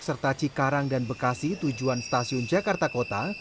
serta cikarang dan bekasi tujuan stasiun jakarta kota